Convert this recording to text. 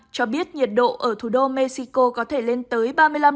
cho biết nhiệt độ ở thủ đô mexico có thể lên tới ba mươi năm